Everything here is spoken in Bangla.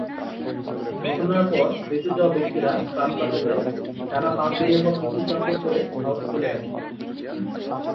ঘটনার পর বেঁচে যাওয়া ব্যক্তিরা প্রাণ বাঁচাতে টানা পাঁচ দিনের পথ অতিক্রান্ত করে ভারতে চলে আসেন।